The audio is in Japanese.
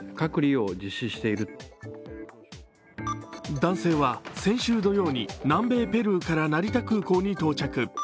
男性は先週土曜に南米ペルーから成田空港に到着。